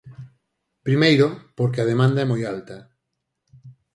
Primeiro, porque a demanda é moi alta.